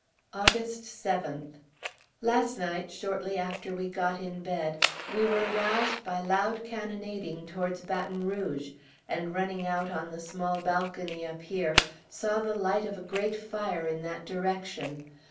August 7th. Last night, shortly after we got in bed, we were roused by loud cannonading towards Baton Rouge, and running out on the small balcony up here, saw the light of a great fire in that direction.